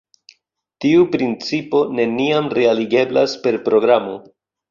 Tiu principo neniam realigeblas per programo.